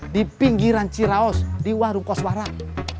di pinggiran ciraos di warung kos warang